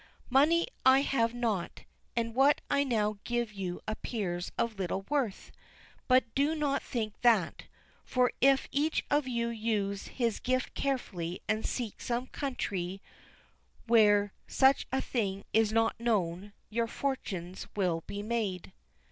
Money I have not, and what I now give you appears of little worth; but do not think that, for if each of you use his gift carefully, and seek some country where such a thing is not known, your fortunes will be made."